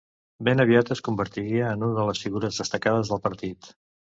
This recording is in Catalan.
Ben aviat es convertiria en una de les figures destacades del partit.